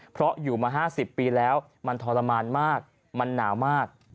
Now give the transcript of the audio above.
เพราะอยู่มา๕๐ปีแล้วมันทรมานมากมันหนาวมาก